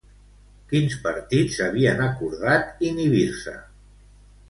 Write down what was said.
Quins partits havien acordat inhibir-se?